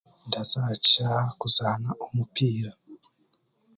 Ndaza aha kyishaaha kuzaana omupiira.